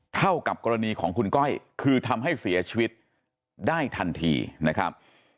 เท่ากับกรณีของคุณก้อยคือทำให้เสียชีวิตได้ทันทีนะครับ